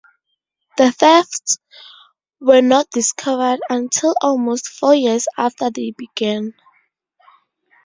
The thefts were not discovered until almost four years after they began.